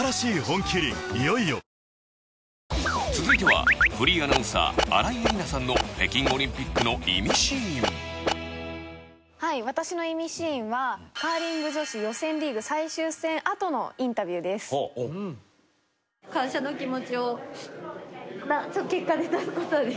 続いてはフリーアナウンサー新井恵理那さんの北京オリンピックのイミシーン私のイミシーンはカーリング女子予選リーグ最終戦あとのインタビューです。